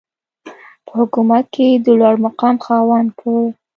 په حکومت کې د لوړمقام خاوند کړ.